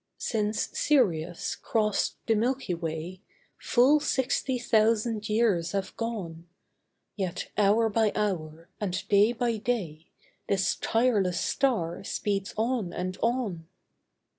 Since Sirius crossed the Milky Way Full sixty thousand years have gone, Yet hour by hour, and day by day, This tireless star speeds on and on.